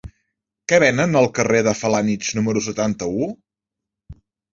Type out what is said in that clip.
Què venen al carrer de Felanitx número setanta-u?